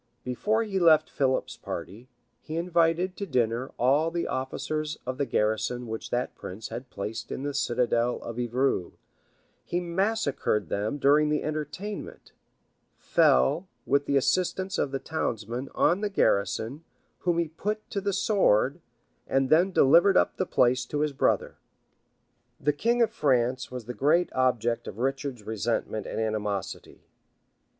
Before he left Philip's party, he invited to dinner all the officers of the garrison which that prince had placed in the citadel of Evreux; he massacred them during the entertainment; fell, with the assistance of the townsmen, on the garrison, whom he put to the sword; and then delivered up the place to his brother. The king of France was the great object of Richard's resentment and animosity.